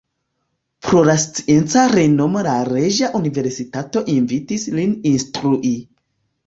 Pro la scienca renomo la Reĝa Universitato invitis lin instrui.